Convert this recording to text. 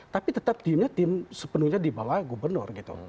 tapi tetap timnya tim sepenuhnya di bawah gubernur gitu